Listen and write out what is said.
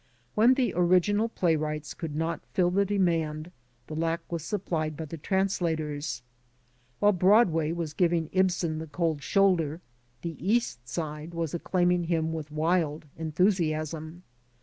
When the original playwrights could not fill the demand, the lack was supplied by the translators. While Broadway was giving Ibsen the cold shoulder, the East Side was acclaiming him with wild enthusiasm.